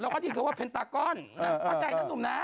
เราก็ได้ยินว่าเพ็นตาก้อนพักใจนะนุ่มนะ